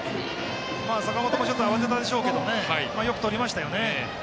坂本もちょっと慌てたでしょうけどよくとりましたね。